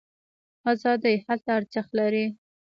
ازادي هلته ارزښت لري.